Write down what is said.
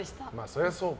そりゃそうか。